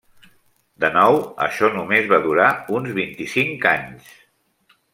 De nou, això només va durar uns vint-i-cinc anys.